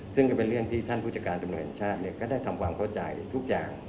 ซึ่งก็เป็นเรื่องที่ท่านผู้จัดการตำรวจแห่งชาติก็ได้ทำความเข้าใจทุกอย่าง